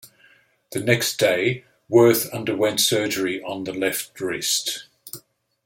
The next day, Werth underwent surgery on the left wrist.